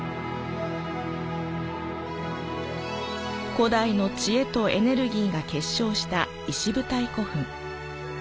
古代の知恵とエネルギーが結晶した石舞台古墳。